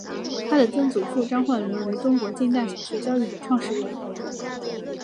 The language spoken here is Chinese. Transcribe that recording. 她的曾祖父张焕纶为中国近代小学教育的创始人。